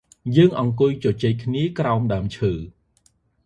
យើងអង្គុយជជែកគ្នាក្រោមដើមឈើ។